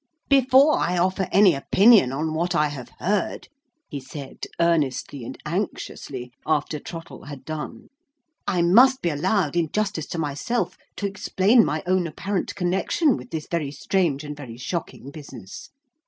"Before I offer any opinion on what I have heard," he said, earnestly and anxiously, after Trottle had done, "I must be allowed, in justice to myself, to explain my own apparent connection with this very strange and very shocking business.